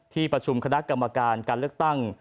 ที่ประชุมคณะกรรมการการเลือกตั้ง